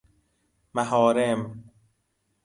محارم